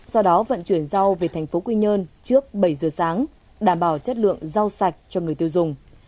sau đó vận chuyển rau về thành phố quy nhơn trước bảy giờ sáng đảm bảo chất lượng rau sạch cho người tiêu dùng